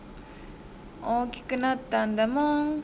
おおきくなったんだもん。